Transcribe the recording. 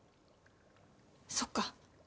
そっか。